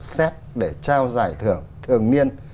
xét để trao giải thưởng thường niên